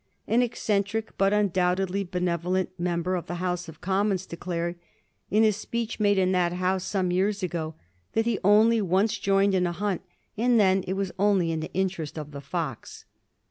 An eccentric, but undoubtedly benevo lent, member of the House of Commons declared, in a speech made in that House some years ago, that he only once joined in a hunt, and then it was only in the interest of the fox.